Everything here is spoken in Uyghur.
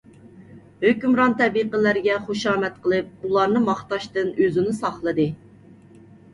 ھۆكۈمران تەبىقىلەرگە خۇشامەت قىلىپ، ئۇلارنى ماختاشتىن ئۆزىنى ساقلىدى.